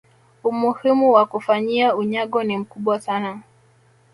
umuhimu wa kukufanyia unyago ni mkubwa sana